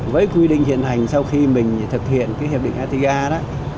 với quy định hiện hành sau khi mình thực hiện hiệp định atiga